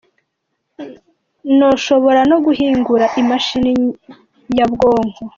Noshobora no guhingura i mashini nyabwonko".